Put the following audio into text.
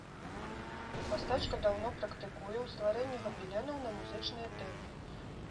Мастачка даўно практыкуе ў стварэнні габеленаў на музычныя тэмы.